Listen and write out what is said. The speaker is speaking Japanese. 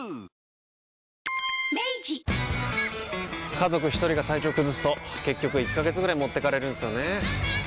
家族一人が体調崩すと結局１ヶ月ぐらい持ってかれるんすよねー。